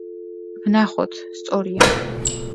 ვნახოთ. სწორია.